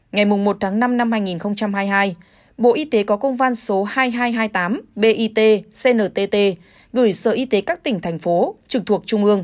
ngày một tháng năm năm hai nghìn hai mươi hai bộ y tế có công van số hai